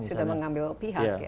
sudah mengambil pihak ya